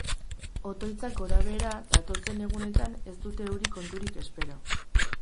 Otoitzak gorabehera, datozen egunetan ez dute euri konturik espero.